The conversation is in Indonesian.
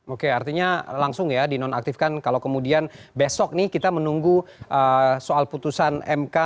oke artinya langsung ya dinonaktifkan kalau kemudian besok nih kita menunggu soal putusan mk